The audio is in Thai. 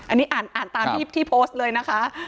อันนี้อ่านตามที่โพสต์เลยนะคะ